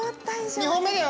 ２本目だよ